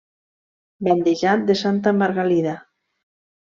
Bandejat de Santa Margalida.